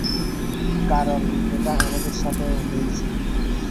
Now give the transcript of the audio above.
কারণ এটা আমার সাথেও হয়েছিল।